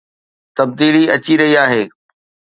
تبديلي اچي رهي آهي